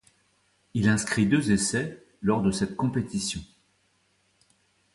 Il inscrit deux essais lors de cette compétition.